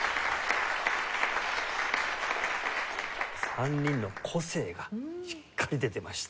３人の個性がしっかり出てましたね。